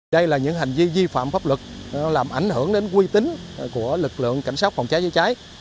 đây là những hành vi di phạm pháp luật làm ảnh hưởng đến quy tính của lực lượng cảnh sát phòng trái chết cháy